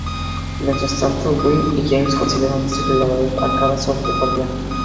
Mientras tanto, Winn y James consideran decirle la verdad a Kara sobre el Guardián.